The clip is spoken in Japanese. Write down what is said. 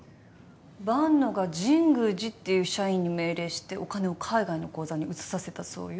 万野が神宮寺っていう社員に命令してお金を海外の口座に移させたそうよ。